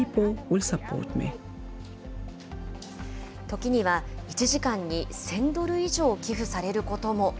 時には、１時間に１０００ドル以上寄付されることも。